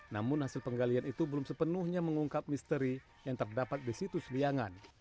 namun hasil penggalian itu belum sepenuhnya mengungkap misteri yang terdapat di situs liangan